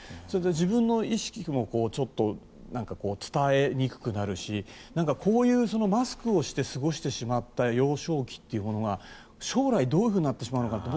そうすると自分の意識も伝えにくくなるしこういうマスクをして過ごしてしまった幼少期というのが将来、どういうふうになってしまうのか